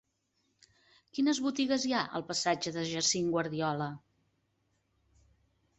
Quines botigues hi ha al passatge de Jacint Guardiola?